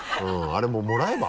あれもうもらえば？